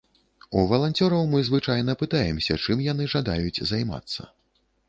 У валанцёраў мы звычайна пытаемся, чым яны жадаюць займацца.